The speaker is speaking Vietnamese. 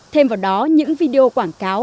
thêm vào đó những video quảng cáo